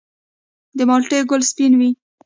د مالټې ګل سپین وي؟